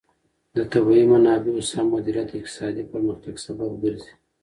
د طبیعي منابعو سم مدیریت د اقتصادي پرمختګ سبب ګرځي.